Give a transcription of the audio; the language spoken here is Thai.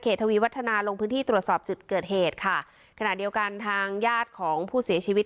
ทวีวัฒนาลงพื้นที่ตรวจสอบจุดเกิดเหตุค่ะขณะเดียวกันทางญาติของผู้เสียชีวิต